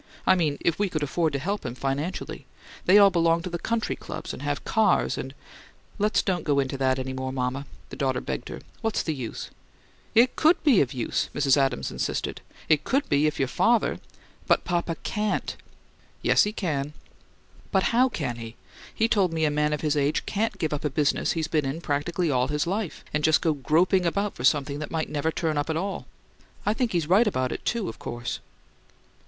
"I mean, if we could afford to help him financially. They all belong to the country clubs and have cars and " "Let's don't go into that any more, mama," the daughter begged her. "What's the use?" "It COULD be of use," Mrs. Adams insisted. "It could if your father " "But papa CAN'T." "Yes, he can." "But how can he? He told me a man of his age CAN'T give up a business he's been in practically all his life, and just go groping about for something that might never turn up at all. I think he's right about it, too, of course!"